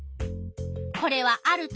これはある年